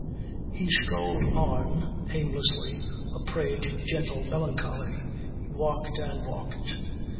He strolled on aimlessly a prey to gentle melancholy. He walked and walked.